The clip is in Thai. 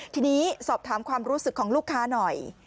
ทีนี้สอบถามความรู้สึกของลูกค้าหน่อย